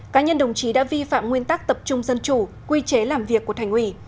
cá nhân đồng chí đã vi phạm nguyên tắc tập trung dân chủ quy chế làm việc của thành ủy